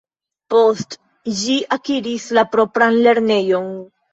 Post ĝi akiris la propran lernejon.